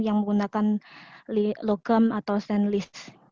yang menggunakan logam atau stainles